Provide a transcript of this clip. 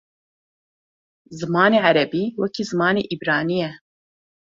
Zimanê erebî wekî zimanê îbranî ye.